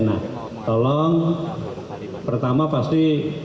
nah tolong pertama pasti